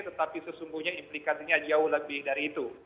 tetapi sesungguhnya implikasinya jauh lebih dari itu